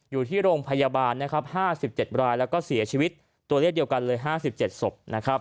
อยู่ที่โรงพยาบาล๕๗รายและเสียชีวิต๕๗ศพ